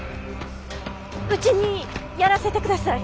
うちにやらせてください！